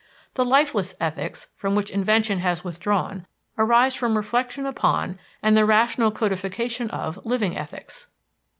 The lifeless ethics, from which invention has withdrawn, arise from reflection upon, and the rational codification of, living ethics.